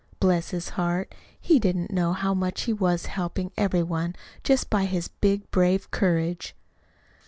Bless his heart! He didn't know how much he was helping every one, just by his big, brave courage.